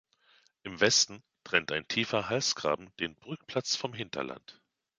Im Westen trennt ein tiefer Halsgraben den Burgplatz vom Hinterland.